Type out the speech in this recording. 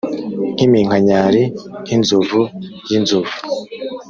nkiminkanyari nk'inzovu yinzovu